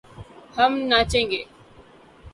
ہم ناچے گے